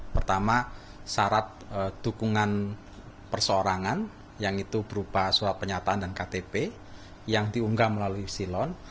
pertama syarat dukungan perseorangan yang itu berupa surat penyataan dan ktp yang diunggah melalui silon